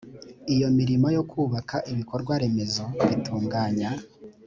iyo imirimo yo kubaka ibikorwaremezo bitunganya